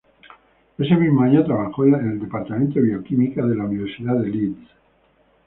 Ese mismo año trabajó en el Departamento de Bioquímica de la Universidad de Leeds.